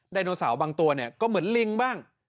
ไดโนเสาร์บางตัวเนี่ยก็เหมือนลิงบ้าง